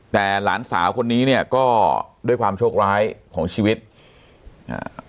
แต่หลานสาวคนนี้เนี่ยก็ด้วยความโชคร้ายของชีวิตอ่า